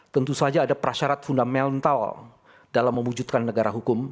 tentu saja ada prasyarat fundamental dalam mewujudkan negara hukum